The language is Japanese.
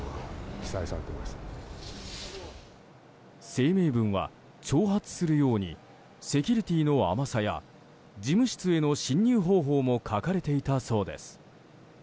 声明文は挑発するようにセキュリティーの甘さや事務室への侵入方法も書かれていたそうです。